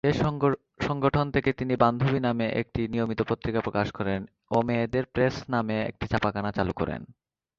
এ সংগঠন থেকে তিনি ‘বান্ধবী’ নামে একটি নিয়মিত পত্রিকা প্রকাশ করেন ও ‘মেয়েদের প্রেস’ নামে একটি ছাপাখানা চালু করেন।